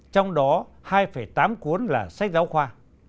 trong đó hai tám cuốn là sách giáo khoa